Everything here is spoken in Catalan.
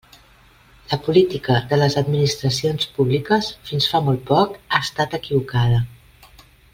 La política de les administracions públiques fins fa molt poc ha estat equivocada.